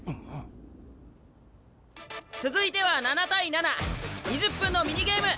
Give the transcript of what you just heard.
続いては７対７２０分のミニゲーム。